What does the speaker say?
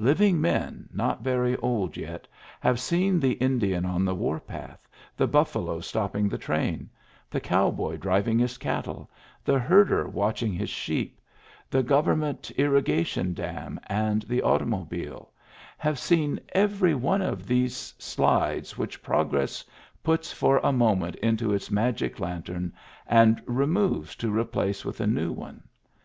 Living men, not very old yet, have seen the Indian on the war path, the buffalo stopping the train, the cow boy driving his cattle, the herder watching his sheep, the government irrigation dam, and the automobile — have seen every one of these slides which progress puts for a moment into its magic lantern and removes to re place with a new one.